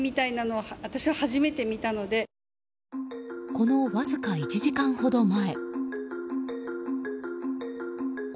このわずか１時間ほど前。